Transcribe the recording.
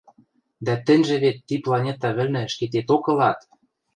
— Дӓ тӹньжӹ вет ти планета вӹлнӹ ӹшкететок ылат!